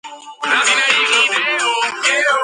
ერევნის ერთ-ერთი სკოლა მის სახელს ატარებს.